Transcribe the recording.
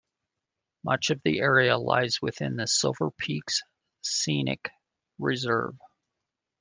Much of the area lies within the Silverpeaks Scenic Reserve.